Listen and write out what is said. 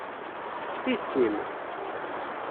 S tidet-im?